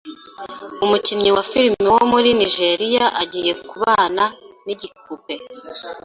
Umukinyi wa filime wo muri Nigeria agiye kubana n'igipupe